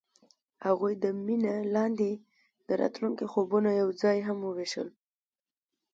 هغوی د مینه لاندې د راتلونکي خوبونه یوځای هم وویشل.